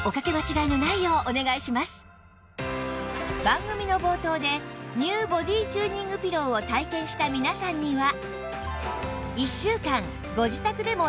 番組の冒頭で ＮＥＷ ボディチューニングピローを体験した皆さんには